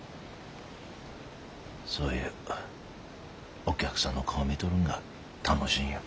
そういうお客さんの顔を見とるんが楽しんよ。